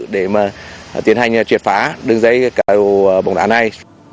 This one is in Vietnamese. để mà tiến hành triệt phá đường dây cá đồ bóng đá này